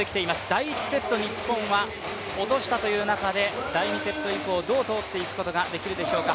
第１セット、日本は落としたという中で第２セット以降、どう通っていくことができるでしょうか。